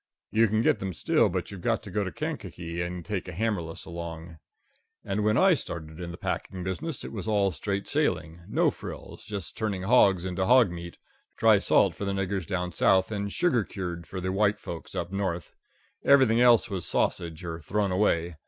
You can get them still, but you've got to go to Kankakee and take a hammerless along. And when I started in the packing business it was all straight sailing no frills just turning hogs into hog meat dry salt for the niggers down South and sugar cured for the white folks up North. Everything else was sausage, or thrown away.